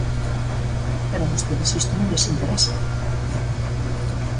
Pero a vostedes isto non lles interesa.